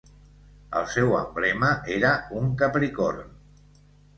El seu emblema era un capricorn.